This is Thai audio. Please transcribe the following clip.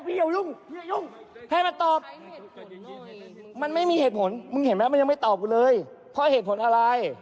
เพราะเหตุผลอะไรถึงไม่ล้างแผล